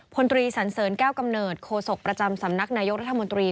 พลตรีสันเสริญแก้วกำเนิดโคศกประจำสำนักนายกรัฐมนตรี